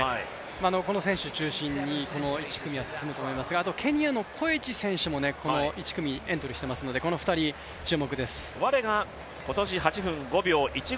この選手、中心に１組は進むと思いますがケニアのコエチ選手もこの１組にエントリーしていますので、この２人、注目です。